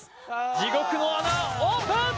地獄の穴オープン！